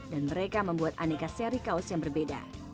dan mereka membuat aneka seri kaos yang berbeda